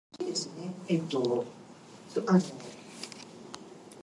It is in French, but allows the user to choose an English translation.